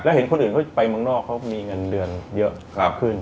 เห็นคนอื่นเขาไปเมืองนอกเขามีเงินเดือนเยอะขึ้น